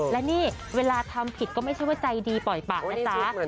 และนี่เวลาทำผิดก็ไม่ใช่ว่าใจดีปล่อยปากนะจ๊ะ